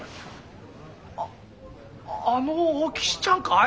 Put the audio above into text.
ああのお岸ちゃんかい？